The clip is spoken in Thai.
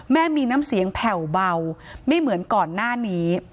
แม่มีน้ำเสียงแผ่วเบาไม่เหมือนก่อนหน้านี้